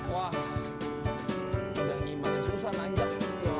wah susah menanjak